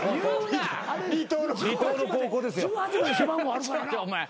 離島の高校ですよ。